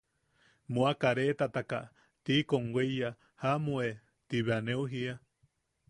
Mua kareetataka tiikom weiyan: ¡Jaʼamu e! ti bea neu jiia.